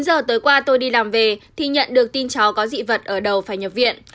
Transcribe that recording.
chín giờ tối qua tôi đi làm về thì nhận được tin cháu có dị vật ở đầu phải nhập viện